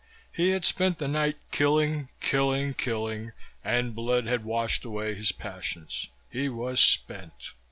He had spent the night killing, killing, killing, and blood had washed away his passions; he was spent.